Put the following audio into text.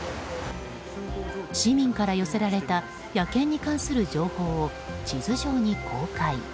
市民から寄せられた野犬に関する情報を地図上に公開。